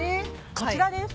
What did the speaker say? こちらです。